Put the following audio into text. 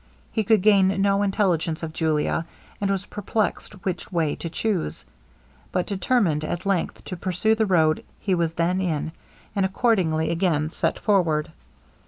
He could gain no intelligence of Julia, and was perplexed which way to chuse; but determined at length to pursue the road he was then in, and accordingly again set forward.